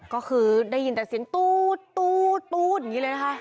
ก็คือได้ยินแต่เสียงตู๊ดอย่างนี้เลยนะคะ